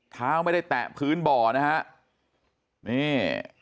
เท้าไม่ได้แตะพื้นบ่อนะฮะนี่